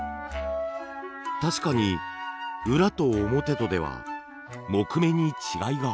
確かに裏と表とでは木目に違いが。